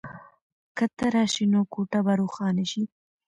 که ته راشې نو کوټه به روښانه شي.